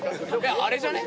・・あれじゃね？